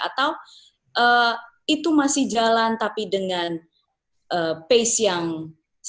atau itu masih jalan tapi dengan pace yang berbeda